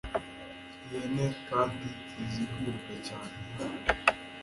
ihene kandi izi kwiruka cyane